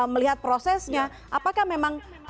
melihat prosesnya apakah memang